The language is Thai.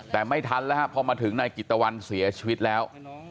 แต่ไม่ทันแล้วฮะพอมาถึงนายกิตตะวันเสียชีวิตแล้ว